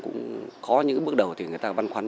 có những bước đầu thì người ta băn khoăn